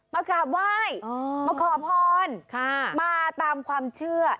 มากราบไหว้มาขอพรมาตามความเชื่อ